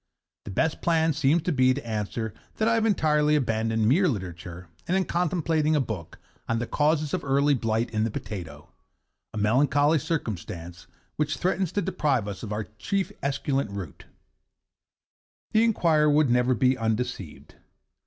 The best plan seems to be to answer that I have entirely abandoned mere literature, and am contemplating a book on 'The Causes of Early Blight in the Potato,' a melancholy circumstance which threatens to deprive us of our chief esculent root. The inquirer would never be undeceived.